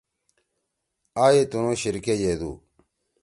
آ یی تنھو شیر کے یے دو